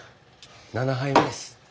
７杯目です。